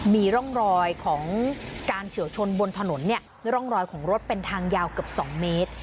มีร่องรอยของการเฉียวชนบนถนนเนี่ยร่องรอยของรถเป็นทางยาวเกือบ๒เมตร